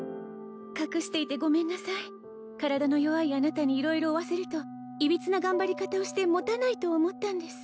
隠していてごめんなさい体の弱いあなたに色々負わせるといびつな頑張り方をしてもたないと思ったんです